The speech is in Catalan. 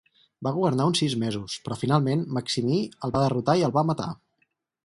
Va governar uns sis mesos però finalment Maximí el va derrotar i el va matar.